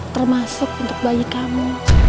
termasuk untuk bayi kamu